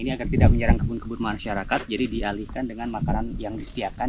ini agar tidak menyerang kebun kebun masyarakat jadi dialihkan dengan makanan yang disediakan